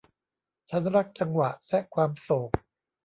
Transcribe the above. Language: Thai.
ฉันรักจังหวะและความโศก